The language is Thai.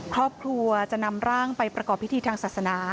ครอบครัวจะนำร่างไปประกอบพิธีทางศาสนา